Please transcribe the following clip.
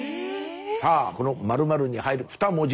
さあこの○○に入る二文字。